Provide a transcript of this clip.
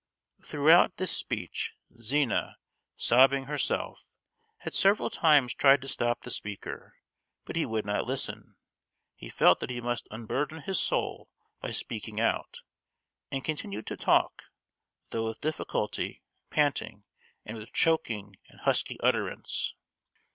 Throughout this speech Zina, sobbing herself, had several times tried to stop the speaker; but he would not listen. He felt that he must unburden his soul by speaking out, and continued to talk—though with difficulty, panting, and with choking and husky utterance.